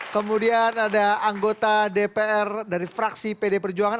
kemudian ada anggota dpr dari fraksi pd perjuangan